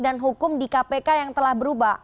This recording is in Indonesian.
dan hukum di kpk yang telah berubah